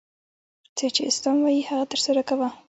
څه چي اسلام وايي هغه ترسره کوه!